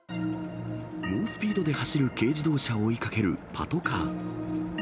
猛スピードで走る軽自動車を追いかけるパトカー。